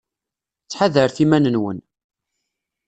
Ttḥadaret iman-nwen.